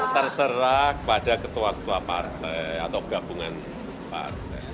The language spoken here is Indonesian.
terserah kepada ketua ketua partai atau gabungan partai